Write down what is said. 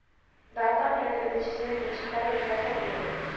Data prende la decisione di accettare l'offerta di Nero.